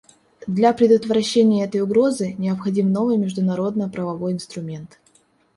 Для предотвращения этой угрозы необходим новый международно-правовой инструмент.